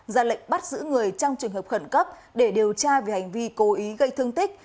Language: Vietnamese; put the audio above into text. ra lệnh bắt giữ người trong trường hợp khẩn cấp để điều tra về hành vi cố ý gây thương tích